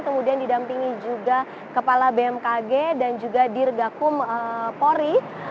kemudian didampingi juga kepala bmkg dan juga dirgakum pori